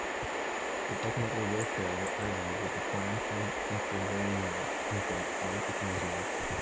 It ultimately will share the island with the planned Pennsylvania Hunting and Fishing Museum.